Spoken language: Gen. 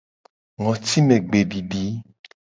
Ngotimegbedidi.